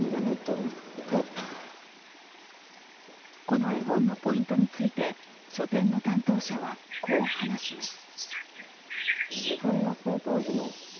この絵本のポイントについて書店の担当者は、こう話します。